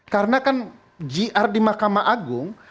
karena kan jr di mahkamah agung